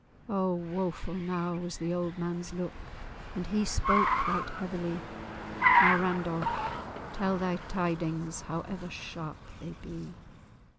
Oh! woeful now was the old man's look, And he spake right heavily— "Now, Randolph, tell thy tidings, However sharp they be!